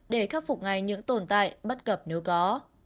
để khắc phục ngay những tồn tại bất cập nếu có